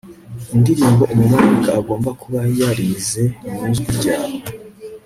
indirimbo umumarayika agomba kuba yarize mwijwi ryawe